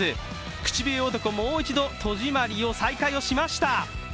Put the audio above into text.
口笛男、もう一度戸締まりを再開しました。